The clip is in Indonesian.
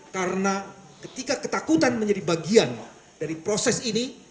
karena ketika ketakutan menjadi bagian dari proses ini